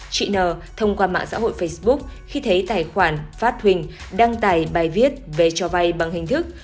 chị n thông qua mạng xã hội facebook khi thấy tài khoản phát huỳnh đăng tài bài viết về cho vay bằng hình thức